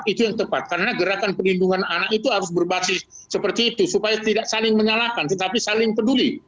itu yang tepat karena gerakan perlindungan anak itu harus berbasis seperti itu supaya tidak saling menyalahkan tetapi saling peduli